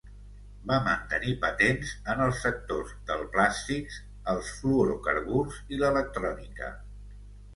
Va mantenir patents en els sectors del plàstics, els fluorocarburs i l"electrònica.